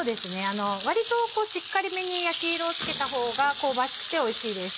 割とこうしっかりめに焼き色をつけた方が香ばしくておいしいです。